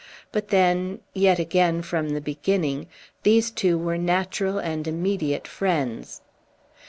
But then yet again, from the beginning these two were natural and immediate friends.